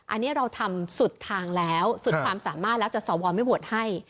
อันนี้เราทำสุดทางแล้วสุดความสามารถแล้วแต่สวไม่โหวตให้